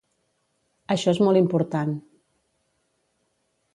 Això és molt important.